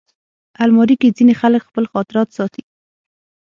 الماري کې ځینې خلک خپل خاطرات ساتي